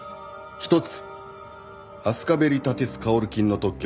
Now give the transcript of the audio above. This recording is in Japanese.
「一つ。